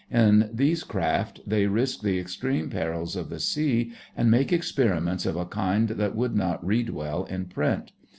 In these craft they risk the extreme perils of the sea and make experiments of a kind that would not read well in print.